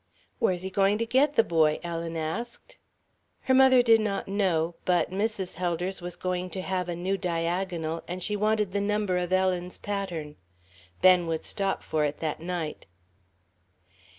"Where's he going to get the boy?" Ellen asked. Her mother did not know, but Mrs. Helders was going to have a new diagonal and she wanted the number of Ellen's pattern. Ben would stop for it that night.